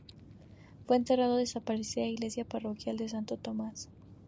Fue enterrado en la desaparecida iglesia parroquial de Santo Tomás.